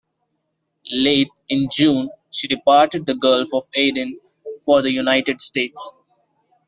Late in June she departed the Gulf of Aden for the United States.